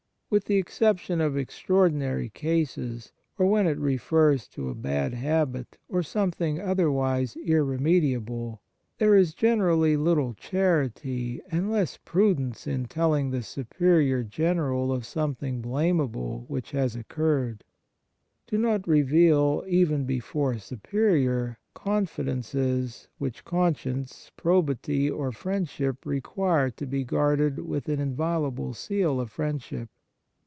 With the exception of extraordinary cases, or when it refers to a bad habit or something otherwise irremediable, there is generally little charity and less prudence in telling the Superior General of something blameable which has occurred. Do not reveal, even before a Superior, confidences which conscience, pro bity, or friendship requires to be guarded with an inviolable seal of friendship.